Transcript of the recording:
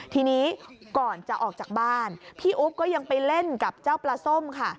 ทีนี้ก่อนจะออกจากบ้านพี่อุ๊บก็ยังไปเล่นกับเจ้าปลาส้มค่ะ